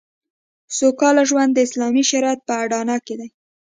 سوکاله ژوند د اسلامي شریعت په اډانه کې دی